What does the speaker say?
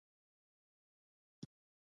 لوندو جامو سره پروت ووم، نه د اورګاډي.